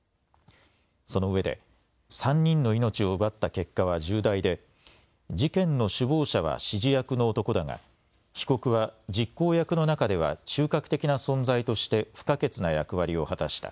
そのうえで３人の命を奪った結果は重大で事件の首謀者は指示役の男だが被告は実行役の中では中核的な存在として不可欠な役割を果たした。